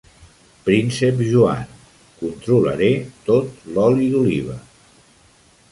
Príncep Joan: Controlaré tot l'oli d'oliva!